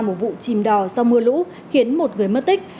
một vụ chìm đò sau mưa lũ khiến một người mất tích